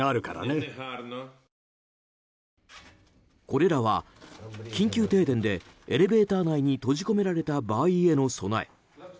これらは緊急停電でエレベーター内に閉じ込められた場合への備え。